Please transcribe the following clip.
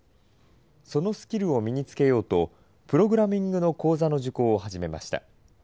そのスキルを身につけようと、プログラミングの講座の受講を始めました。